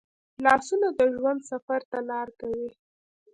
لاسونه د ژوند سفر ته لار کوي